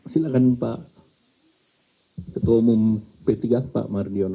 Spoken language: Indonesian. silahkan pak ketua umum p tiga pak mardiono